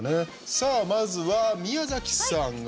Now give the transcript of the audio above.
さあ、まずは宮崎さんが？